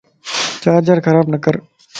چارجر خراب نڪر